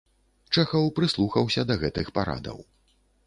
Чэхаў прыслухаўся да гэтых парадаў.